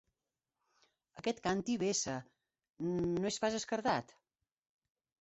Aquest càntir vessa: no és pas esquerdat?